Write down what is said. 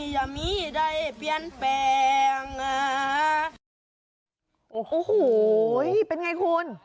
โหเป็นไงคุณ